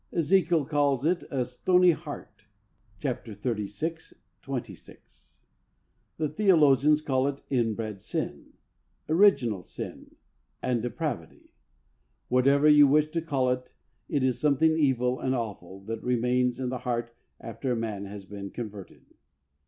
Ezekiel calls it a " stony heart " (chap, xxxvi. 26). The theologians call it "inbred sin," "original sin," and "depravity." Whatever you wish to cnll it, it is something evil and awful that remains in the heart after a man has been converted.